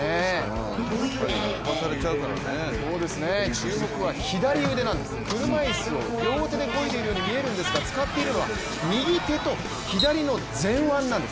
注目は左腕なんです、車いすを両手でこいでいるように見えるんですが使っているのは右手と左の前腕なんです。